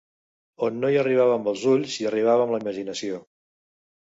On no hi arribava amb els ulls, hi arribava amb la imaginació